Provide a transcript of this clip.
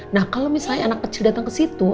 nah kalau misalnya anak kecil datang ke situ